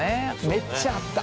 めっちゃあった！